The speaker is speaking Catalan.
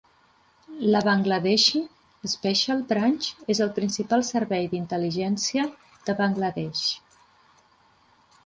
La Bangladeshi Special Branch és el principal servei d'intel·ligència de Bangladesh.